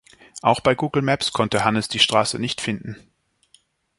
Auch bei Google Maps konnte Hannes die Straße nicht finden.